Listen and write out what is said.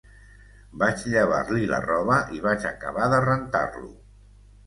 Vaig llevar-li la roba i vaig acabar de rentar-lo.